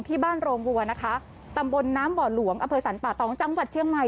ที่บ้านโรงวัวนะคะตำบลหน้าบ่อหลวงอศัลปะตองจังหวัดเชียงใหม่